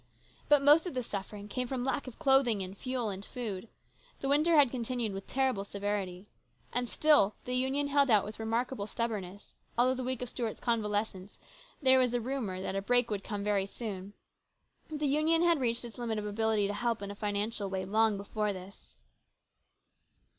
But most of the suffering came from lack of clothing and fuel and food. The winter had continued with terrible severity. And still the Union held out with remarkable stubbornness, although the week of Stuart's convalescence there was a rumour that a break would come very soon. The Union had reached its limit of ability to help in a financial way long before this.